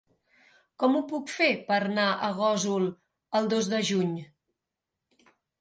Com ho puc fer per anar a Gósol el dos de juny?